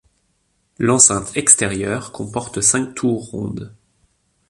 L'enceinte extérieure comporte cinq tours rondes.